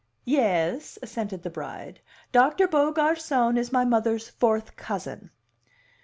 "Yais," assented the bride. "Doctor Beaugarcon is my mother's fourth cousin."